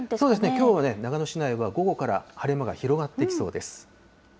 きょうは長野市内は午後から晴れ間が広がってきそうです。